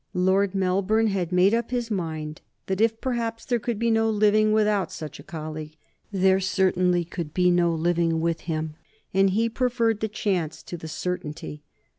Lord Melbourne had made up his mind that if, perhaps, there could be no living without such a colleague, there certainly could be no living with him, and he preferred the chance to the certainty.